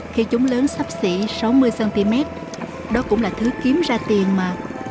khi chúng lớn sắp xỉ sáu mươi cm đó cũng là thứ kiếm ra tiền mà